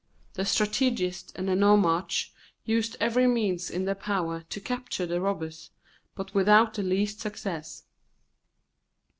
The strategist and the nomarch used every means in their power to capture the robbers, but without the least success.